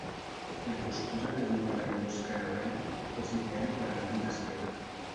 La postura de Yoga del gos cara avall és ideal per al mal d'esquena.